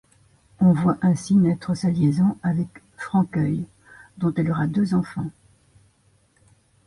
On voit ainsi naître sa liaison avec Francueil, dont elle aura deux enfants.